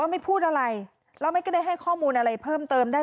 ไม่พูดอะไรแล้วไม่ได้ให้ข้อมูลอะไรเพิ่มเติมได้